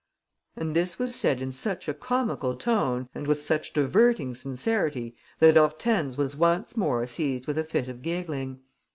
And this was said in such a comical tone and with such diverting sincerity that Hortense was once more seized with a fit of giggling.